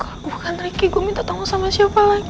kalau bukan riki gue minta tolong sama siapa lagi